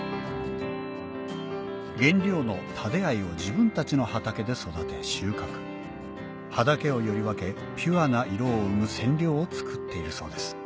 原料の蓼藍を自分たちの畑で育て収穫葉だけをより分けピュアな色を生む染料を作っているそうです